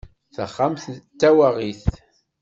Taxxamt d tawaɣit.